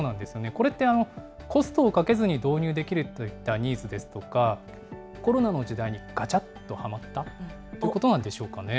これって、コストをかけずに導入できるといったニーズですとか、コロナの時代にガチャっとはまったということなんでしょうかね。